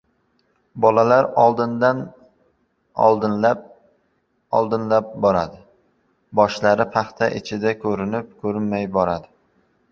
Bolalar oldinlab-oldinlab boradi. Boshlari paxta ichida ko‘rinib-ko‘rinmay boradi.